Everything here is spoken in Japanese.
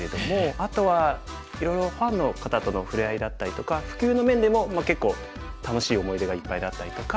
あとはいろいろファンの方との触れ合いだったりとか普及の面でも結構楽しい思い出がいっぱいだったりとか。